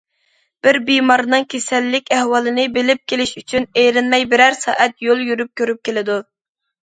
بىر بىمارنىڭ كېسەللىك ئەھۋالىنى بىلىپ كېلىش ئۈچۈن ئېرىنمەي بىرەر سائەت يول يۈرۈپ كۆرۈپ كېلىدۇ.